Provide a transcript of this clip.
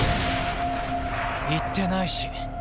いってないし。